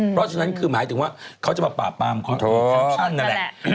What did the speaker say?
อ๋อเพราะฉะนั้นคือหมายถึงว่าเขาจะมาป่าปามคอร์ทอีกครั้งนั้นแหละ